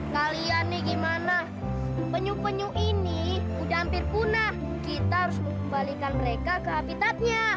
kalian nih gimana penyu penyu ini udah hampir punah kita harus membalikan mereka ke habitatnya